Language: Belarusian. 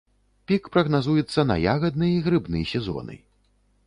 Пік прагназуецца на ягадны і грыбны сезоны.